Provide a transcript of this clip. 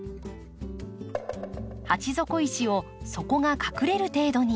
鉢底石を底が隠れる程度に。